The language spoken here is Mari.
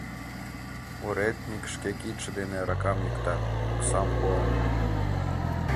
Уретньык шке кидше дене аракам йӱкта, оксам пуа.